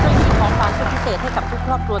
โดยมีขอบความช่วยพิเศษให้กับทุกครอบครัว